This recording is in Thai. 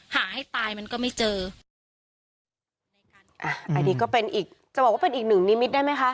หาให้ตายมันก็ไม่เจออันนี้ก็เป็นอีกจะบอกว่าเป็นอีกหนึ่งนิมิตได้ไหมคะ